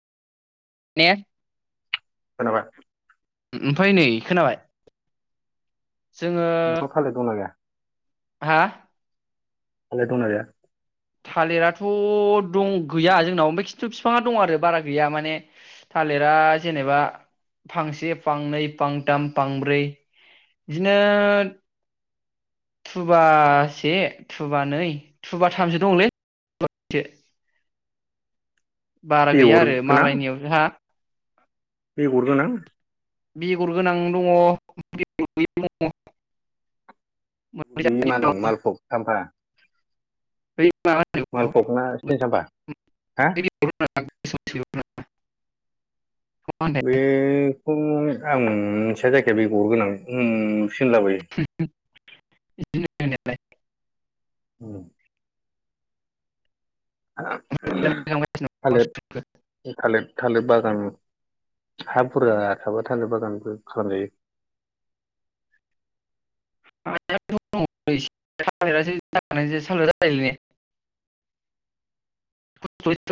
ने धयनबाद। ओमफाय नै खोनाबाय? जोङो नोंसानाव थालेर दंना गाया? हा थालेर दं ना गैया? थालिराथ' दं गैया जोंनाव खिन्थु फिफाङा दं आरो बारा गैया माने थालिरा जेनेबा फांसे फांनै फांथाम फांब्रै बिदिनो थुबासे थुबा नै थुबाथामसो दंलै [unintelligible] बारा गैया बेगर आरो गोनां मालायनियाव हा बेगर गोनां? बेगर गोनां दङ बेगर गोयिबो दङ। मोननै [unintelligible] जातनि मा दं मालभक साम्फा मालफग ना सिनि साम्फा हा [inaudible] मा होनो बे खौ उम्म आं मोनसे जायखिया बेगरगोनां उम्म सिन लाबोयो बि [inaudible] औ थालिर होननायालाय थालिर थालिर बागान हा बुरजा थाबा थालिर बागानबो खालामजायो। हायाथ' दंङलै एसे थालिरासो जागोनना जाया [inaudible]